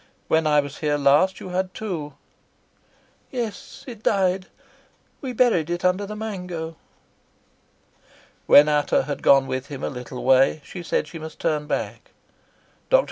"When I was here last you had two." "Yes; it died. We buried it under the mango." When Ata had gone with him a little way she said she must turn back. Dr.